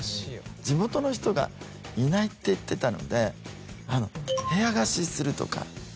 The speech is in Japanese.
地元の人がいないって言ってたので部屋貸しするとか。